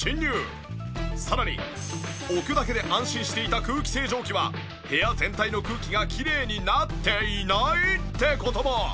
さらに置くだけで安心していた空気清浄機は部屋全体の空気がきれいになっていない！？って事も。